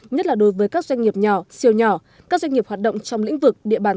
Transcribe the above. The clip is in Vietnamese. nhất là đối với các doanh nghiệp nhỏ siêu nhỏ các doanh nghiệp hoạt động trong lĩnh vực địa bàn